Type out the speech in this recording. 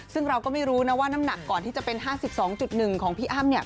ซึ่งเราก็ไม่รู้นะว่าน้ำหนักก่อนที่จะเป็น๕๒๑ของพี่อ้ำเนี่ย